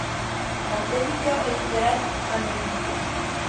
Montevideo: Editorial Amerindia.